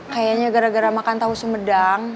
kayaknya gara gara makan tahu sumedang